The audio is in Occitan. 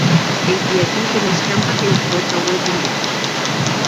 Enquia e tot ena escampa que i pòt auer bontat.